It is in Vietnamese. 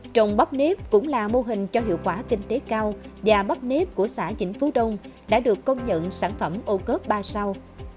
trồng bắp nếp cũng là mô hình cho hiệu quả kinh tế cao và bắp nếp của xã chỉnh phú đông đã được công nhận sản phẩm ô cớp ba sao